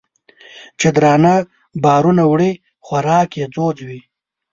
چې درانه بارونه وړي خوراک یې ځوځ وي